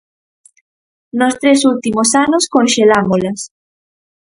Nos tres últimos anos conxelámolas.